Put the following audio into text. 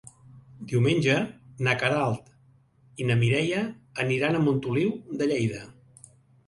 Diumenge na Queralt i na Mireia aniran a Montoliu de Lleida.